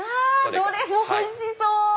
どれもおいしそう！